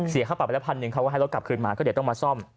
เสียค่าปรับละพันหนึ่งเขาก็ให้รถกลับขึ้นมาก็เดี๋ยวต้องมาซ่อม